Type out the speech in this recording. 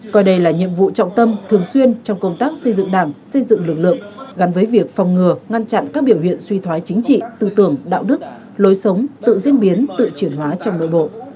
coi đây là nhiệm vụ trọng tâm thường xuyên trong công tác xây dựng đảng xây dựng lực lượng gắn với việc phòng ngừa ngăn chặn các biểu hiện suy thoái chính trị tư tưởng đạo đức lối sống tự diễn biến tự chuyển hóa trong nội bộ